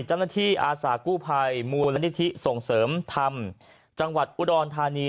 จังหวัดอุดรธานี